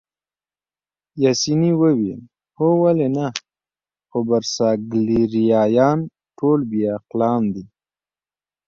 پاسیني وویل: هو ولې نه، خو برساګلیریايان ټول بې عقلان دي.